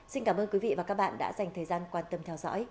xin cảm ơn quý vị và các bạn đã dành thời gian quan tâm theo dõi